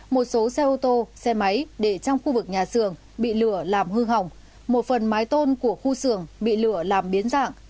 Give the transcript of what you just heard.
một số xe ô tô xe máy để trong khu vực nhà xưởng bị lửa làm hư hỏng một phần mái tôn của khu xưởng bị lửa làm biến dạng